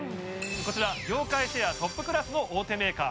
こちら業界シェアトップクラスの大手メーカー